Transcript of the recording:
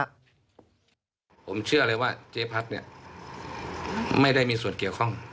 ผมเชื่อเลยว่าเจ๊พัดเนี่ยไม่ได้มีส่วนเกี่ยวข้อง